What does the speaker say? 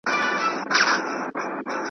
پر زمري باندي د سختو تېرېدلو .